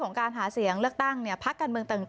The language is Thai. ของการหาเสียงเลือกตั้งพรรคกลางเมืองต่าง